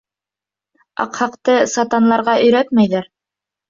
Аҡһаҡты сатанларға өйрәтмәйҙәр.